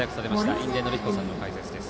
印出順彦さんの解説です。